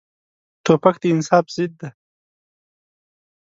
توپک د انصاف ضد دی.